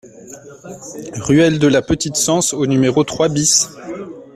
Ruelle de la Petite Cense au numéro trois BIS